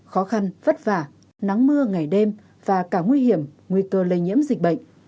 khó khăn vất vả nắng mưa ngày đêm và cả nguy hiểm nguy cơ lây nhiễm dịch bệnh